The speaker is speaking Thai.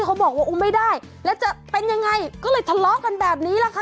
เขาบอกว่าไม่ได้แล้วจะเป็นยังไงก็เลยทะเลาะกันแบบนี้แหละค่ะ